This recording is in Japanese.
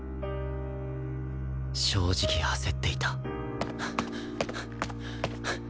正直焦っていた